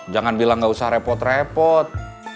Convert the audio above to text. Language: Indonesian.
jangan bilang gak usah repot repot